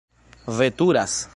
veturas